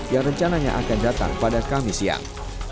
yang rencananya akan datang pada kamis siang